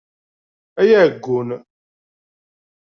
Ay aɛeggun!